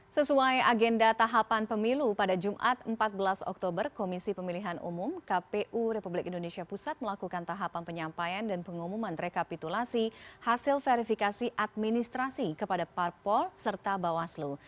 sesuai agenda tahapan pemilu pada jumat empat belas oktober komisi pemilihan umum kpu republik indonesia pusat melakukan tahapan penyampaian dan pengumuman rekapitulasi hasil verifikasi administrasi kepada parpol serta bawaslu